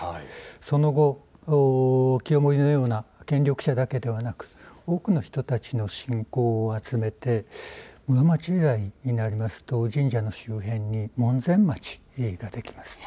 その後、清盛のような権力者だけでなく多くの人たちの信仰を集めて室町時代になりますと神社の周辺に門前町ができます。